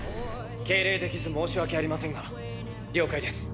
敬礼できず申し訳ありませんが了解です。